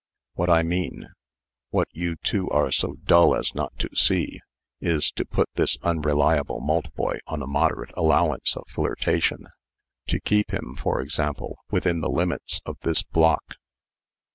What I mean what you two are so dull as not to see is to put this unreliable Maltboy on a moderate allowance of flirtation; to keep him, for example, within the limits of this block.